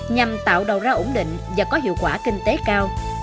nhằm tạo đầu ra ổn định và có hiệu quả kinh tế cao